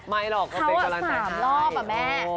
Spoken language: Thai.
ไม่หรอกว่าเป็นกำลังไทรไทรเขาสามรอบอะแม่